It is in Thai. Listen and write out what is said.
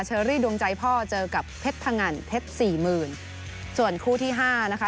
อรี่ดวงใจพ่อเจอกับเพชรพงันเพชรสี่หมื่นส่วนคู่ที่ห้านะคะ